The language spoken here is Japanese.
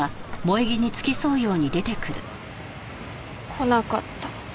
来なかった。